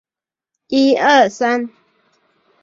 改装部品则藉由行车的里程数取得。